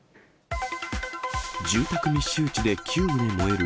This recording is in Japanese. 住宅密集地で９棟燃える。